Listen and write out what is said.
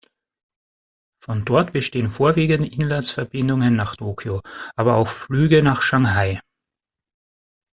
Von dort bestehen vorwiegend Inlandsverbindungen nach Tokyo, aber auch Flüge nach Shanghai.